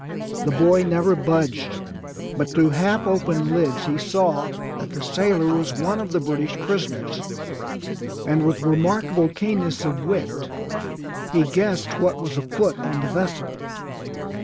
The boy never budged, but through half open lids he saw that the sailor was one of the British prisoners, and with remarkable keenness of wit, he guessed what was afoot on the vessel.